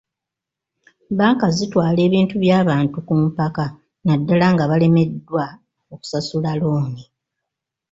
Bbanka zitwala ebintu by'abantu ku mpaka naddala nga balemereddwa okusasula looni.